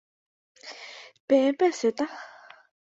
Peẽ pesẽta.